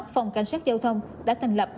phòng cảnh sát giao thông đã thành lập